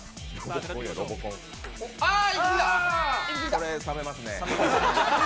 これ、冷めますね。